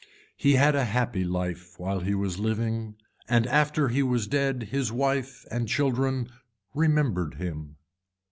He had a happy life while he was living and after he was dead his wife and children remembered him.